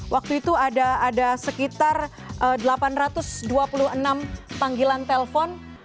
waktu itu ada sekitar delapan ratus dua puluh enam panggilan telpon